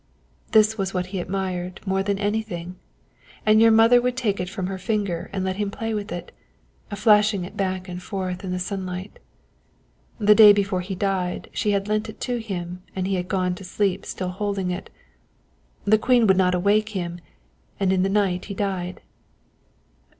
"This was what he admired more than anything, and your mother would take it from her finger and let him play with it, flashing it back and forth in the sunlight. The day before he died she had lent it to him and he had gone to sleep still holding it. The Queen would not awake him, and in the night he died.